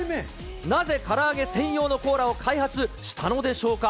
なぜから揚げ専用のコーラを開発したのでしょうか。